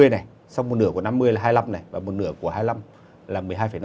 hai mươi này sau một nửa của năm mươi là hai mươi năm này và một nửa của hai mươi năm là một mươi hai năm